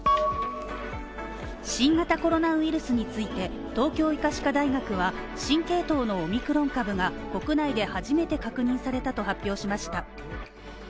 新型コロナウイルスについて東京医科歯科大学は、新系統のオミクロン株が国内で初めて確認されたと発表しました。